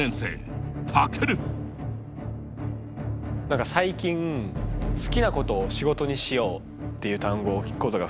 何か最近好きなことを仕事にしようっていう単語を聞くことが増えてきて。